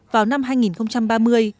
vào năm hai nghìn ba mươi